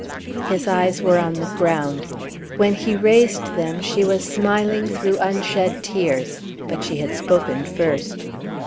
His eyes were on the ground. When he raised them she was smiling through unshed tears. But she had spoken first.